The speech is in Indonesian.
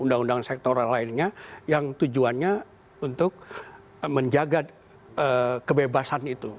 undang undang sektoral lainnya yang tujuannya untuk menjaga kebebasan itu